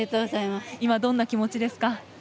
今、どんな気持ちですか。